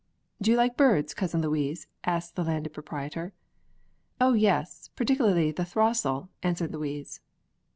"Do you like birds, Cousin Louise?" asked the Landed Proprietor. "Oh yes, particularly the throstle," answered Louise.